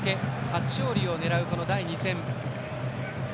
初勝利を狙う、この第２戦。